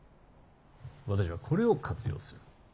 私はこれを活用する。